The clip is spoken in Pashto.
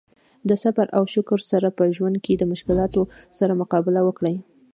د صبر او شکر سره په ژوند کې د مشکلاتو سره مقابله وکړي.